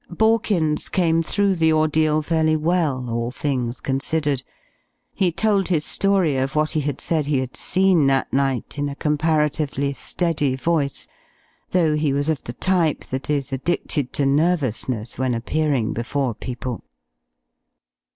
Borkins came through the ordeal fairly well, all things considered. He told his story of what he had said he had seen that night, in a comparatively steady voice, though he was of the type that is addicted to nervousness when appearing before people.